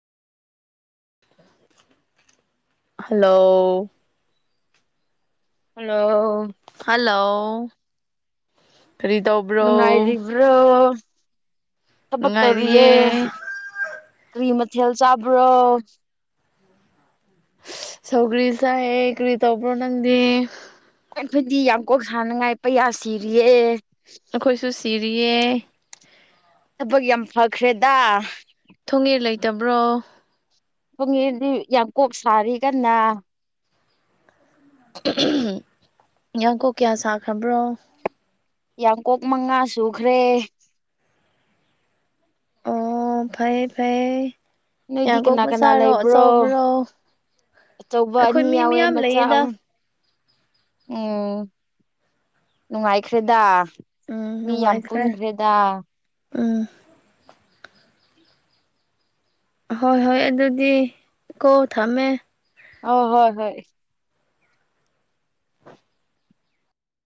hello hello hello ꯀꯔꯤ ꯇꯧꯕꯔꯣ ꯅꯨꯡꯉꯥꯏꯔꯤꯕ꯭ꯔꯣ ꯊꯕꯛ ꯇꯧꯔꯤꯌꯦ ꯀꯔꯤ ꯃꯊꯦꯜ ꯆꯥꯕ꯭ꯔꯣ ꯁꯧꯒ꯭ꯔꯤ ꯆꯥꯏꯌꯦ ꯀ꯭ꯔꯤ ꯇꯧꯕ꯭ꯔꯣ ꯅꯪꯗꯤ ꯑꯩꯈꯣꯏꯗꯤ ꯌꯥꯝ ꯀꯣꯛ ꯁꯥꯅꯉꯥꯏ ꯄꯩꯌꯥ ꯁꯤꯔꯤꯌꯦ ꯑꯈꯣꯏꯁꯨ ꯁꯤꯔꯤꯌꯦ ꯊꯕꯛ ꯌꯥꯝ ꯐꯈ꯭ꯔꯦꯗꯥ ꯊꯣꯡ ꯉꯦ ꯂꯩꯇꯕ꯭ꯔꯣ ꯄꯨꯡꯌꯦꯟꯗꯤ ꯌꯥꯡꯀꯣꯛ ꯁꯥꯔꯤ ꯀꯟꯅ ꯌꯥꯡꯀꯣꯛ ꯀꯌꯥ ꯁꯥꯈ꯭ꯔꯕ꯭ꯔꯣ ꯌꯥꯡ ꯀꯣꯛ ꯃꯉꯥ ꯁꯨꯈ꯭ꯔꯦ ꯑꯣ ꯐꯩꯌꯦ ꯐꯩꯌꯦ ꯅꯣꯏꯗꯤ ꯌꯥꯡꯀꯣꯛ ꯀꯅꯥ ꯀꯅꯥ ꯃꯆꯥꯔꯣ ꯂꯩꯕ꯭ꯔꯣ ꯑꯆꯧꯕꯔꯣ ꯑꯆꯧꯕ ꯑꯩꯈꯣꯏ ꯑꯅꯤ ꯃꯤ ꯌꯥꯎꯋꯦ ꯃꯌꯥꯝ ꯃꯆꯥ ꯂꯩꯌꯦꯗ ꯑꯍꯨꯝ ꯎꯝ ꯅꯨꯡꯉꯥꯏꯈ꯭ꯔꯦꯗ ꯎꯝ ꯃꯤ ꯌꯥꯝ ꯅꯨꯡꯉꯥꯏꯈ꯭ꯔꯦ ꯄꯨꯟꯈ꯭ꯔꯦꯗꯥ ꯎꯝ ꯍꯣꯏ ꯍꯣꯏ ꯑꯗꯨꯗꯤ ꯀꯣ ꯊꯝꯃꯦ ꯑꯧ ꯍꯣꯏ ꯍꯣꯏ